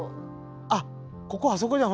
あっここあそこじゃん。